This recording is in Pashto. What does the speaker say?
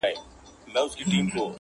پر هوښار طوطي بې حده په غوسه سو٫